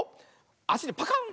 あしでパカン！